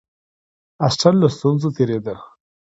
اسټن له ستونزو تېرېده.